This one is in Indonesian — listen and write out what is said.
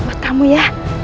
ini untuk kamu ya